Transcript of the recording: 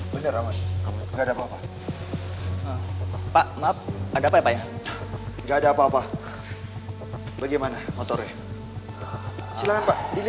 ternyata si boy sama si repo lagi